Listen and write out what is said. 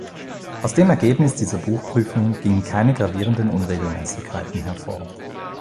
Aus dem Ergebnis dieser Buchprüfung gingen keine gravierenden Unregelmäßigkeiten hervor.